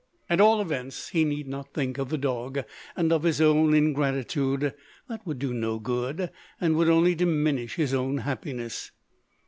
At all events he need not think of the dog, and of his own ingratitude—that would do no good, and would only diminish his own happiness.